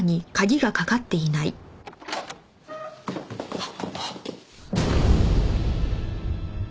あっ！